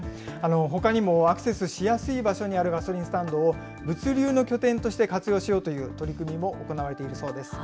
ほかにもアクセスしやすい場所にあるガソリンスタンドを物流の拠点として活用しようという取り組みも行われているそうです。